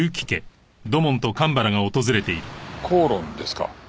口論ですか？